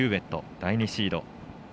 第２シード。